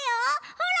ほら！